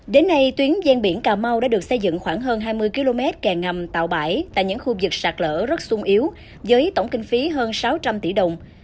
đến nay tuyến gian biển cà mau đã được xây dựng khoảng hơn hai mươi km kè ngầm tạo bãi tại những khu vực sạt lở rất sung yếu với tổng kinh phí hơn sáu trăm linh tỷ đồng